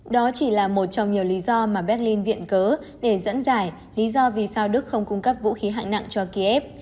đó chỉ là một trong nhiều lý do mà berlin viện cớ để dẫn giải lý do vì sao đức không cung cấp vũ khí hạng nặng cho kiev